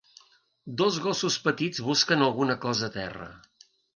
Dos gossos petits busquen alguna cosa a terra